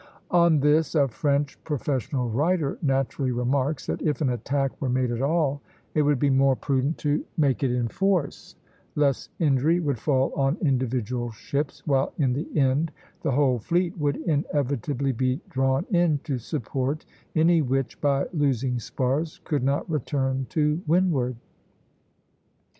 On this a French professional writer naturally remarks, that if an attack were made at all, it would be more prudent to make it in force; less injury would fall on individual ships, while in the end the whole fleet would inevitably be drawn in to support any which, by losing spars, could not return to windward.